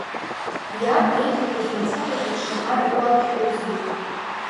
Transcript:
Иаб иеиҳәақәоз мацарагьы шаҟа игәалашәозеи.